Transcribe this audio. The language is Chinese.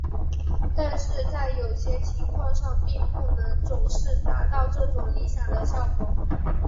但是在有些情况上并不能总是达到这种理想的效果。